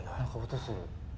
音する。